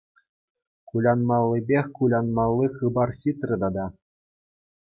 Кулянмаллипех кулянмалли хыпар ҫитрӗ тата.